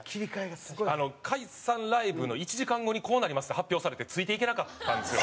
解散ライブの１時間後にこうなりますって発表されてついていけなかったんですよ。